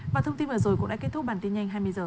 và thông tin vừa rồi cũng đã kết thúc bản tin nhanh hai mươi h